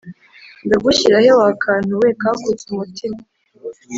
ndagushyira he wa kantu we kakutse umutima?